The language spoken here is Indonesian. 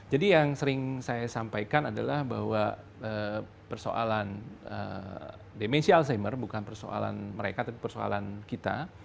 jadi yang sering saya sampaikan adalah bahwa persoalan demensi alzheimer bukan persoalan mereka tapi persoalan kita